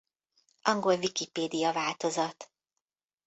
Angol Wikipédia-változat